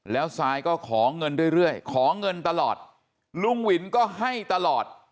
แล้วซายก็ขอเงินเรื่อยขอเงินตลอดลุงวินก็ให้ตลอด